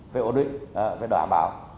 phải ổn định phải đảm bảo